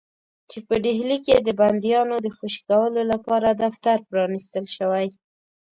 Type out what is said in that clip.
چې په ډهلي کې د بندیانو د خوشي کولو لپاره دفتر پرانیستل شوی.